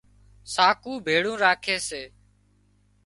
ساڪو ڀيۯون راکي سي